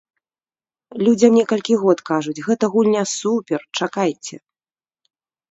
Людзям некалькі год кажуць, гэта гульня супер, чакайце.